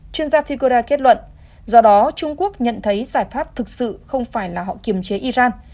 chuyên gia ficora kết luận do đó trung quốc nhận thấy giải pháp thực sự không phải là họ kiềm chế iran